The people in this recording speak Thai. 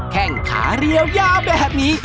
แข้งขาเรียวยาวแบบนี้